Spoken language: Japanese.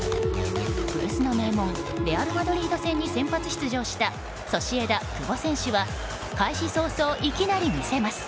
古巣の名門レアル・マドリード戦に先発出場したソシエダ、久保選手は開始早々、いきなり見せます。